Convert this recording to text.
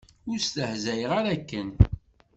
Ur stehzay ara akken!